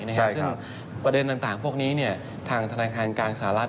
ซึ่งประเด็นต่างพวกนี้ทางธนาคารกลางสหรัฐ